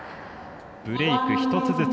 ブレーク１つずつ。